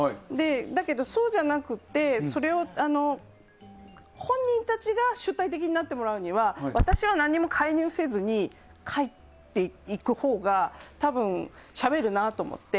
だけど、そうじゃなくてそれを本人たちが主体的になってもらうには私は何も介入せずに書いていくほうが多分、しゃべるなと思って。